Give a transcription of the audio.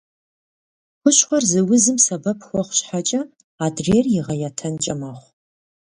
Хущхъуэр зы узым сэбэп хуэхъу щхьэкӏэ, адрейр игъэятэнкӏэ мэхъу.